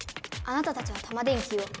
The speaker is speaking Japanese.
あなたたちはタマ電Ｑを。